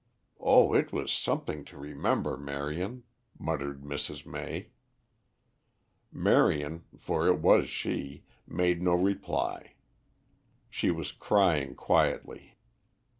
Oh, it was something to remember, Marion," muttered Mrs. May. Marion, for it was she, made no reply. She was crying quietly.